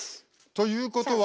ということは。